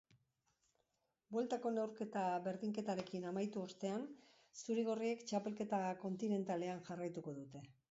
Bueltako neurketa berdinketarekin amaitu ostean, zurigorriek txapelketa kontinentalean jarraituko dute.